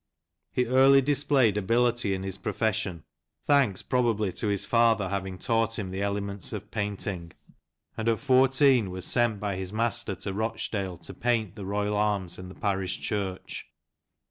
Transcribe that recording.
He early displayed ability in his profession, — thanks, probably, to his father THE CHILDREN OF TIM BOBBIN. 117 having taught him the elements of painting, — and at fourteen was sent by his master to Rochdale to paint the Royal arms in the Parish Church.